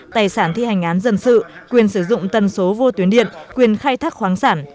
tài sản thi hành án dân sự quyền sử dụng tần số vô tuyến điện quyền khai thác khoáng sản